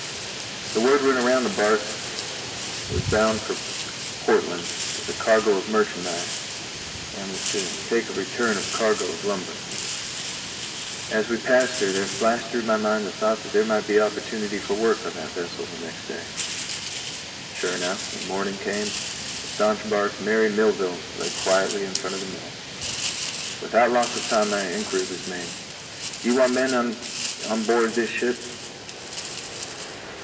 The word went around that the bark was bound for Portland with a cargo of merchandise and was to take a return cargo of lumber. As we passed her there flashed through my mind the thought that there might be opportunity for work on that vessel next day. Sure enough, when morning came, the staunch bark Mary Melville lay quietly in front of the mill. Without loss of time my inquiry was made: "Do you want any men on board this ship?"